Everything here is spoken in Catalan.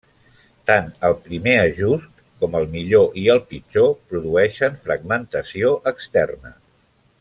Tant el primer ajust, com el millor i el pitjor produeixen fragmentació externa.